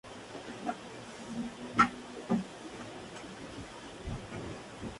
Integró las comisiones permanentes de Educación, Cultura, Deportes y Recreación, y de Defensa Nacional.